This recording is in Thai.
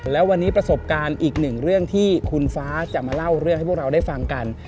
และวันนี้ประสบการณ์อีกหนึ่งเรื่องที่คุณฟ้าจะมาเล่าเรื่องให้พวกเราได้ฟังกัน